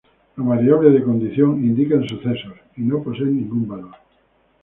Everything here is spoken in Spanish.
Las variables de condición indican eventos, y no poseen ningún valor.